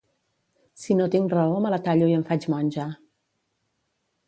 Si no tinc raó me la tallo i em faig monja.